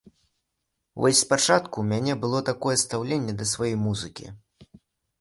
Вось спачатку ў мяне было такое стаўленне да сваёй музыкі.